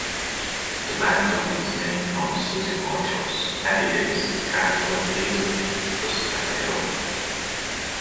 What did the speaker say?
The band took its name from Suzi Quatro's "Happy Days" character Leather Tuscadero.